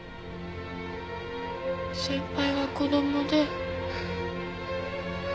先輩は子供で。